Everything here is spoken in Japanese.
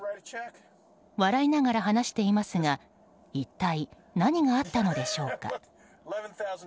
笑いながら話していますが一体何があったのでしょうか。